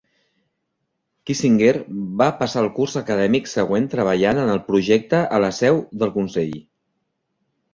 Kissinger va passar el curs acadèmic següent treballant en el projecte a la seu del Consell.